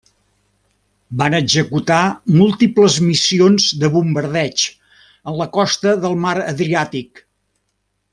Van executar múltiples missions de bombardeig en la costa del Mar Adriàtic.